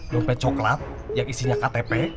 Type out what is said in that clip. dompet coklat yang isinya ktp